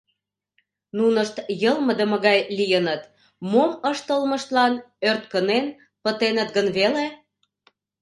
Нунышт йылмыдыме гай лийыныт: мом ыштылмыштлан ӧрткынен пытеныт гын веле?